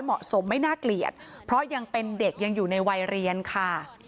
เหมาะสมไม่น่าเกลียดเพราะยังเป็นเด็กยังอยู่ในวัยเรียนค่ะ